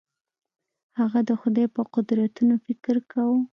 هغه د خدای په قدرتونو فکر کاوه.